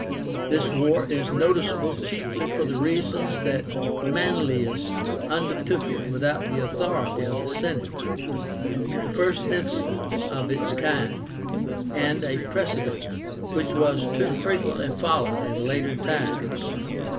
This war is noticeable chiefly for the reason that Manlius undertook it without the authority of the Senate, the first instance of its kind, and a precedent which was too frequently followed in later times.